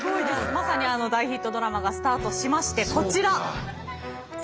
まさにあの大ヒットドラマがスタートしましてこちら。